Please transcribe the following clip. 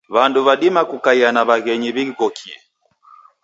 Wandu wadima kukaia na waghenyi wighokie.